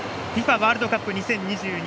ワールドカップ２０２２